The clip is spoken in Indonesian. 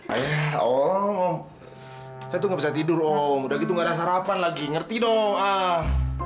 ayah om saya tuh gak bisa tidur om udah gitu gak ada sarapan lagi ngerti dong ah